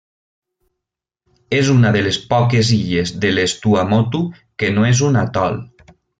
És una de les poques illes de les Tuamotu que no és un atol.